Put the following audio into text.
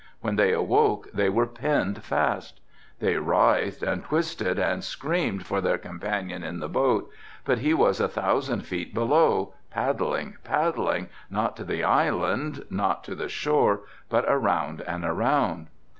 When they awoke they were pinned fast. They writhed and twisted and screamed for their companion in the boat but he was a thousand feet below, paddling, paddling, not to the island not to the shore, but around and around.